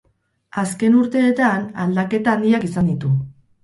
Azken urteetan aldaketa handiak izan ditu.